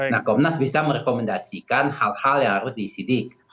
nah komnas bisa merekomendasikan hal hal yang harus disidik